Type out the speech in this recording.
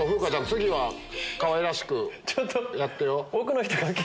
次はかわいらしくやってよ。